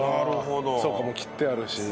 そうかもう切ってあるし。